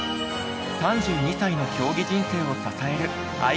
３２歳の競技人生を支える愛